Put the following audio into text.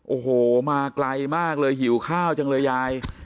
โอ้โหมาไกลมากเลยหิวข้าวจังเลยยาย